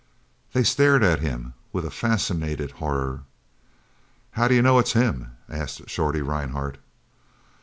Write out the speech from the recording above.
They stared at him with a fascinated horror. "How do you know it's him?" asked Shorty Rhinehart.